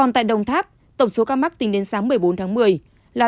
tổng số ca mắc tính đến sáng một mươi bốn tháng một mươi là tám chín trăm năm mươi sáu